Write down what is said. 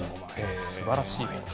すばらしい。